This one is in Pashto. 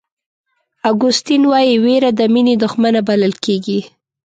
اګوستین وایي وېره د مینې دښمنه بلل کېږي.